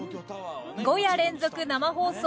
「５夜連続生放送